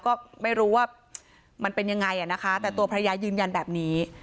ก็ไม่รู้ว่ามันเป็นยังไงอ่ะนะคะแต่ตัวภรรยายืนยันแบบนี้